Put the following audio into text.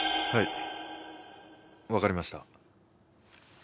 はい。